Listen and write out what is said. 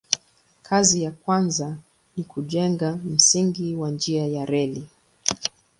Kazi ya kwanza ni kujenga msingi wa njia ya reli.